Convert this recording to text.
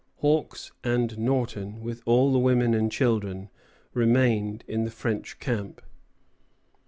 Hawks and Norton, with all the women and children, remained in the French camp.